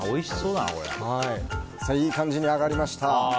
いい感じに揚がりました。